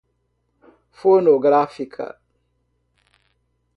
fonográfica